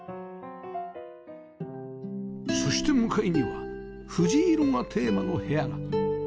そして向かいには藤色がテーマの部屋が